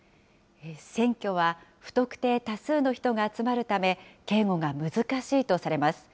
選挙は不特定多数の人が集まるため、警護が難しいとされます。